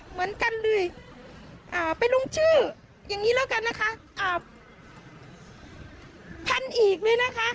เหมือนกันเลยอ่าไปลงชื่ออย่างงี้แล้วกันนะคะอ่าพันอีกเลยนะคะ